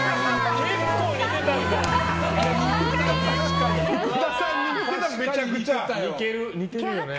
結構似てたんだ。